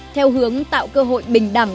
theo hướng tạo cơ hội bình đẳng